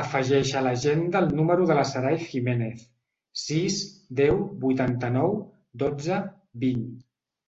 Afegeix a l'agenda el número de la Saray Gimenez: sis, deu, vuitanta-nou, dotze, vint.